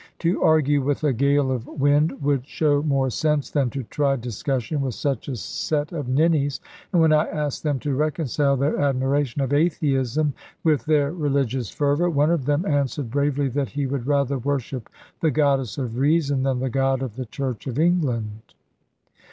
To argue with a gale of wind would show more sense than to try discussion with such a set of ninnies; and when I asked them to reconcile their admiration of atheism with their religious fervour, one of them answered bravely that he would rather worship the Goddess of Reason than the God of the Church of England.